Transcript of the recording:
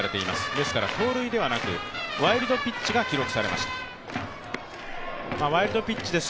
ですから盗塁ではなく、ワイルドピッチが記録されました。